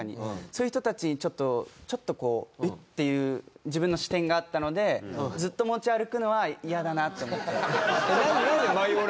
そういう人たちにちょっとちょっとこううっ！っていう自分の視点があったのでずっと持ち歩くのは嫌だなと思って。